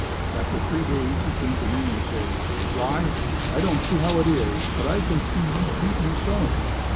After three days he came to me and said, "Rye, I don't see how it is, but I can see you beat me sowing."